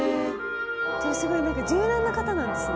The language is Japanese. じゃあすごい柔軟な方なんですね。